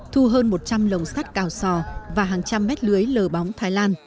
thu hơn một trăm linh lồng sắt cào sò và hàng trăm mét lưới lờ bóng thái lan